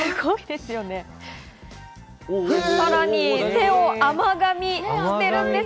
さらに手を甘噛みしています。